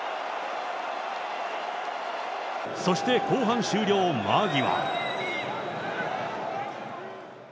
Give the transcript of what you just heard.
そして後半終了間際。